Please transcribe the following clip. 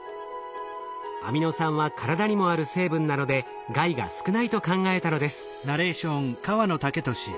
アミノ酸は体にもある成分なので害が少ないと考えたのです。